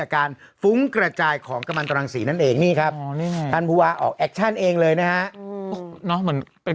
คือคุณเป็นห่วงกลัวว่ามันกระจายลงพื้นดิน